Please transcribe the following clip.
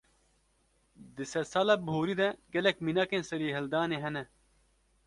Di sedsala bihurî de, gelek mînakên serîhildanê hene